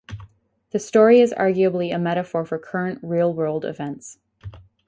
The story is arguably a metaphor for current real-world events.